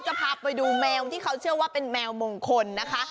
จะพาไปดูแมวที่เขาเชื่อว่าเป็นแมวมงคลนะคะ